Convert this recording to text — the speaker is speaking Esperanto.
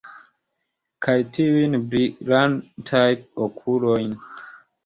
Kaj tiujn brilantajn okulojn!